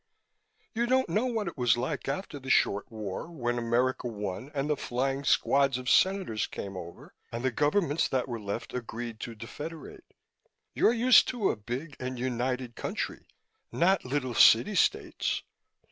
You don't know what it was like after the Short War, when America won and the flying squads of Senators came over and the governments that were left agreed to defederate. You're used to a big and united country, not little city states.